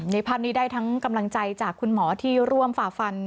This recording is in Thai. ภาพนี้ได้ทั้งกำลังใจจากคุณหมอที่ร่วมฝ่าฟัน